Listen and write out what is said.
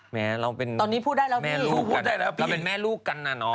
แม้เราเป็นแม่ลูกตอนนี้พูดได้แล้วพี่แม่ลูกกันน่ะน้อง